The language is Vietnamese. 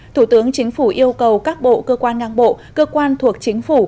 thủ tướng chính phủ yêu cầu các bộ cơ quan ngang bộ cơ quan thuộc chính phủ